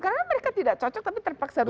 karena mereka tidak cocok tapi terpaksa harus